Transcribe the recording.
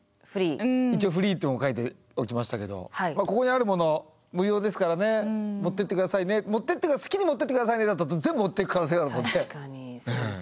一応フリーとも書いておきましたけどまあここにあるもの無料ですからね持ってってくださいね持ってっていうか好きに持ってってくださいねだと全部持っていく可能性があるので。